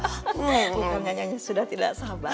bukan nyanyinya sudah tidak sabar